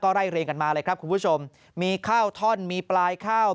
ไล่เรียงกันมาเลยครับคุณผู้ชมมีข้าวท่อนมีปลายข้าว